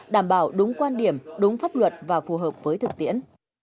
đảm bảo đúng quan điểm đúng pháp luật và phù hợp với thực tiễn